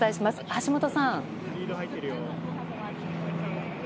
橋本さん。